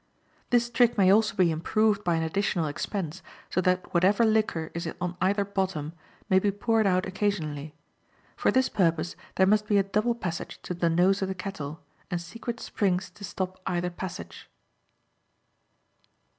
This trick may also be improved by an additional expense, so that whatever liquor is on either bottom may be poured out occasionally. For this purpose there must be a double passage to the nose of the kettle, and secret springs to stop either passage.